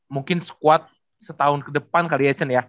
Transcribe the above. mungkin squad setahun ke depan kali ya chan ya